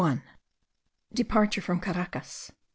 15. DEPARTURE FROM CARACAS.